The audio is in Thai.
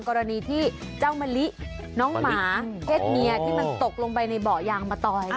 กรณีที่เจ้ามะลิน้องหมาเพศเมียที่มันตกลงไปในเบาะยางมะตอย